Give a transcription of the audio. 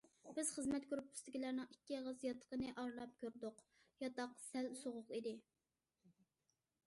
بىز خىزمەت گۇرۇپپىسىدىكىلەرنىڭ ئىككى ئېغىز ياتىقىنى ئارىلاپ كۆردۇق، ياتاق سەل سوغۇق ئىدى.